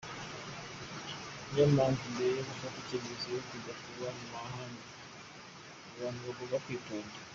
Niyo mpamvu mbere yo gufata icyemezo cyo kujya kuba mu mahanga, abantu bagomba kwitonda.